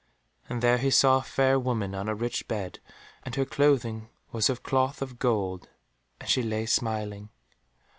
And there he saw a fair woman on a rich bed, and her clothing was of cloth of gold, and she lay smiling.